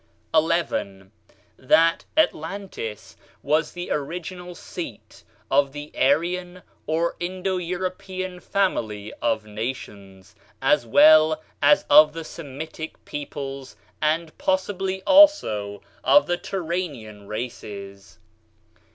11. That Atlantis was the original seat of the Aryan or Indo European family of nations, as well as of the Semitic peoples, and possibly also of the Turanian races.